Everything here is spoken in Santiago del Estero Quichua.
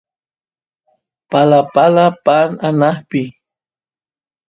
palapala paan anaqpi